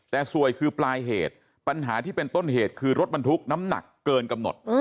แต่สวยคือปลายเหตุปัญหาที่เป็นต้นเหตุคือรถบรรทุกน้ำหนักเกินกำหนด